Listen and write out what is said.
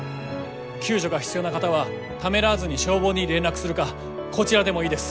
救助が必要な方はためらわずに消防に連絡するかこちらでもいいです。